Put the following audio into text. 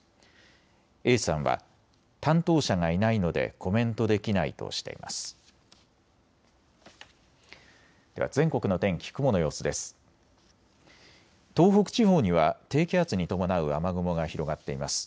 永山は担当者がいないのでコメントできないとしています。